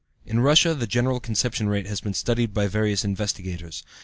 In Russia the general conception rate has been studied by various investigators.